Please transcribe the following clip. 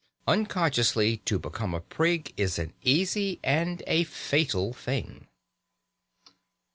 Unconsciously to become a prig is an easy and a fatal thing.